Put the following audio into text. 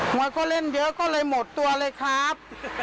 วยก็เล่นเยอะก็เลยหมดตัวเลยครับ